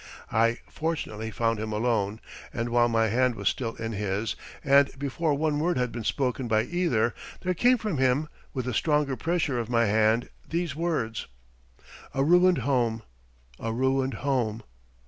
I fortunately found him alone and while my hand was still in his, and before one word had been spoken by either, there came from him, with a stronger pressure of my hand, these words: "A ruined home, a ruined home."